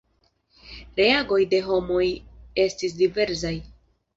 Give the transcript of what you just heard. Reagoj de homoj estis diversaj.